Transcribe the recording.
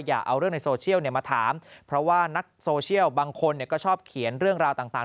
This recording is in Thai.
อย่าเอาเรื่องในโซเชียลมาถามเพราะว่านักโซเชียลบางคนก็ชอบเขียนเรื่องราวต่าง